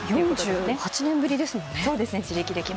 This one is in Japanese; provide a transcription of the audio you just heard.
４８年ぶりですもんね。